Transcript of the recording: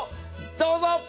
どうぞ。